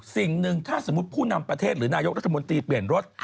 สิ่งหนึ่งถ้าสมมุติผู้นำประเทศหรือนายกรัฐมนตรีเปลี่ยนรถ